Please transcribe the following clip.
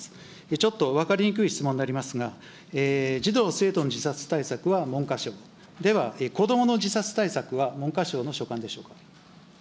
ちょっと分かりにくい質問でありますが、児童・生徒の自殺対策は文科省、では子どもの自殺対策は文科省の所管でしょうか。